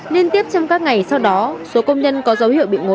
liên tiếp trong các ngày sau đó số công nhân có dấu hiệu bị ngộ